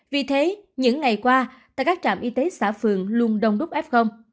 vì thế những ngày qua tại các trạm y tế xã phường luôn đông đúc f